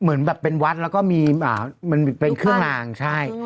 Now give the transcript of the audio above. เหมือนแบบเป็นวัดแล้วก็มีมันเป็นเครื่องลางใช่